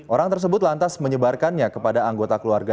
orang tersebut lantas menyebarkannya kepada anggota keluarga